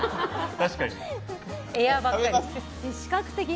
確かに。